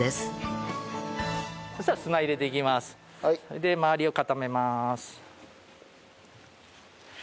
で周りを固めます。